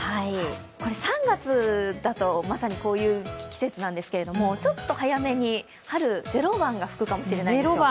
これ３月だと、まさにこういう季節なんですけど、ちょっと早めに張るゼロ番が吹くかもしれないです。